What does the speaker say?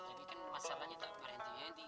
kan masalahnya tak berhenti henti